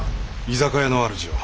居酒屋の主を。